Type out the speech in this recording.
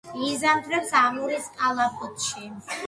იზამთრებს ამურის კალაპოტში.